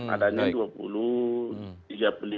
adanya rp dua puluh rp tiga puluh rp lima puluh